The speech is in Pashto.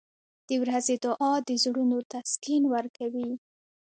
• د ورځې دعا د زړونو تسکین ورکوي.